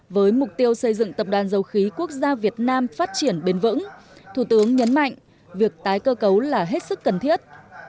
với mục tiêu xây dựng tập đoàn dầu khí quốc gia việt nam phát triển bền vững thủ tướng nhấn mạnh việc tái cơ cấu là hết sức cần thiết